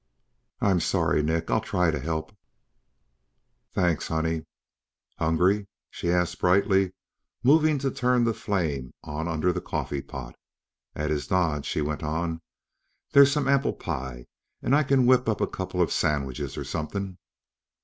"I'm sorry, Nick. I'll try to help." "Thanks, honey." "Hungry?" She asked brightly, moving to turn the flame on under the coffee pot. At his nod, she went on: "There's some apple pie and I can whip up a couple of sandwiches, or something."